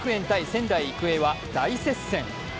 仙台育英は大接戦。